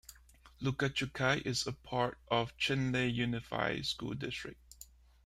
Lukachukai is a part of the Chinle Unified School District.